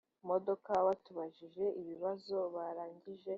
bavuga ijwi rirenga bati “agakiza ni ak’imana